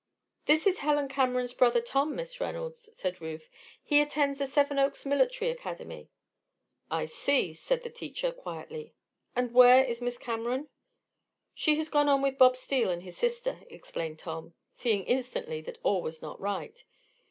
"This is Helen Cameron's brother Tom, Miss Reynolds," said Ruth. "He attends the Seven Oaks Military Academy." "I see," said the teacher, quietly. "And where is Miss Cameron?" "She has gone on with Bob Steele and his sister," explained Tom, seeing instantly that all was not right.